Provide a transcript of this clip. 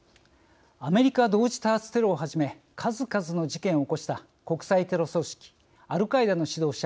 アメリカ同時多発テロをはじめ数々の事件を起こした国際テロ組織アルカイダの指導者